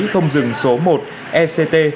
không dừng số một ect